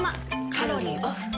カロリーオフ。